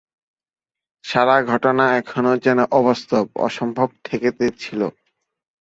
সারা ঘটনাটা এখনও যেন অবাস্তব, অসম্ভব ঠেকিতেছিল।